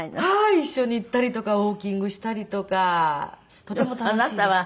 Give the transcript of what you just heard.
一緒に行ったりとかウォーキングしたりとかとても楽しいです。